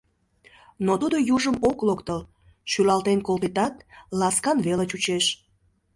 Но тудо южым ок локтыл, шӱлалтен колтетат, ласкан веле чучеш.